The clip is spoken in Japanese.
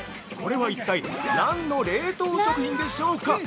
これは一体何の冷凍食品でしょうか？